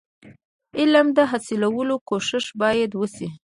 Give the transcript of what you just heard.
علم د حاصلولو کوښښ باید وسي.